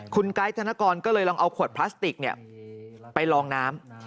คุณไกด์ธนกรก็เลยลองเอาขวดพลาสติกไปลองน้ำ